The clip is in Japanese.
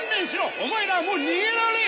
オマエらはもう逃げられん！